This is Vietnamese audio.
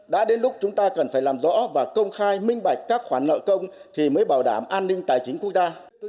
đã đến lúc chúng ta cần phải làm rõ và công khai minh bạch các khoản nợ công thì mới bảo đảm an ninh tài chính quốc gia